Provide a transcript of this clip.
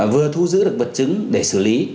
vừa thu giữ được vật chứng để xử lý